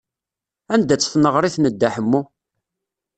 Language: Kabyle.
Anda-tt tneɣrit n Dda Ḥemmu?